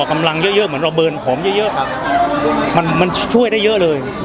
กำลังเยอะเยอะเหมือนเราเบิร์นผมเยอะเยอะครับมันมันช่วยได้เยอะเลย